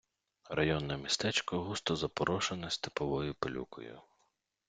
Районне містечко густо запорошене степовою пилюкою.